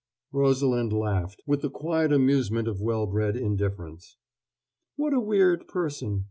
Rosalind laughed, with the quiet amusement of well bred indifference. "What a weird person!"